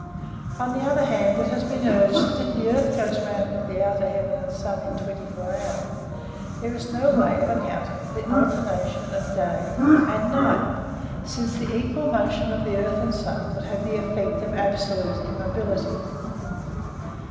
On the other hand it has been urged that if the earth goes round with the outer heaven and sun in twenty four hours, there is no way of accounting for the alternation of day and night; since the equal motion of the earth and sun would have the effect of absolute immobility.